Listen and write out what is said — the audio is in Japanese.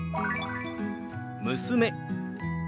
「娘」。